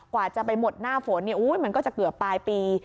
กว่าจะไปหมดหน้าฝนมันก็จะเกือบปลายปี